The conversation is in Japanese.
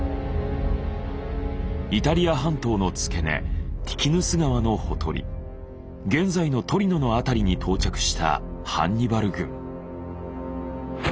イタリア半島の付け根ティキヌス川のほとり現在のトリノの辺りに到着したハンニバル軍。